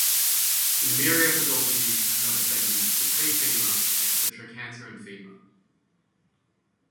In myriapodology another segment, the prefemur, connects the trochanter and femur.